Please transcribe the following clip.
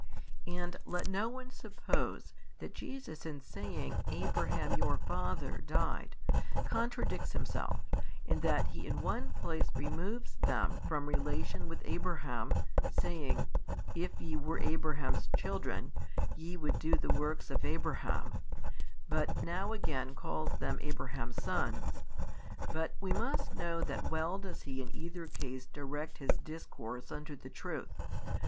And let no one suppose that Jesus in saying Abraham your father [died 6], contradicts Himself, in that He in one place removes them from relation with Abraham, saying, If ye were Abraham's children, ye would do the works of Abraham, but now again calls them Abraham's sons: but we must know that well does He in either case direct His discourse unto the truth.